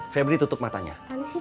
febri tutup matanya